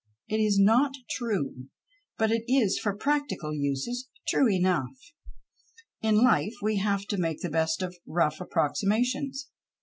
It is not true, but it is for practical uses true enough. In life we have to make the best of rough approximations.